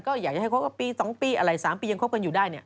ก็อยากจะให้คบกับปี๒ปีอะไร๓ปียังคบกันอยู่ได้